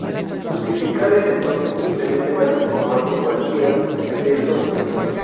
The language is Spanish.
Justificar es entonces, simplemente dar un formato cualquiera al texto en cuestión.